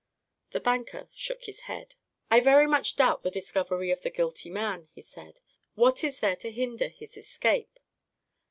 The banker shook his head. "I very much doubt the discovery of the guilty man," he said; "what is there to hinder his escape?"